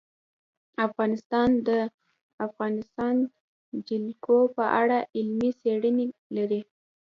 افغانستان د د افغانستان جلکو په اړه علمي څېړنې لري.